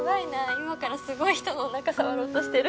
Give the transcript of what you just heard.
今からすごい人のおなか触ろうとしてる。